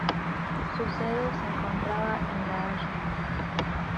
Su sede se encontraba en La Haya.